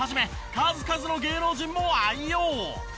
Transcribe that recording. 数々の芸能人も愛用。